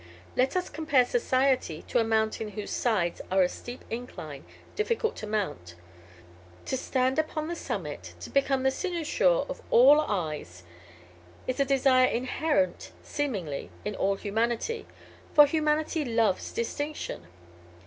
Let us compare society to a mountain whose sides are a steep incline, difficult to mount. To stand upon the summit, to become the cynosure of all eyes, is a desire inherent, seemingly, in all humanity; for humanity loves distinction.